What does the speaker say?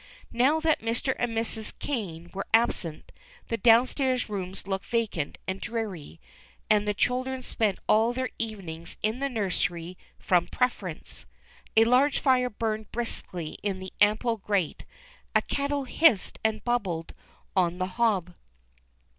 Now that Mr. and Mrs. Kane w'ere absent, the downstairs rooms looked vacant and dreary, and the children spent all their CA^enings in the nursery from preference. A large fire burned briskly in the ample grate. A kettle hissed and bubbled on the hob.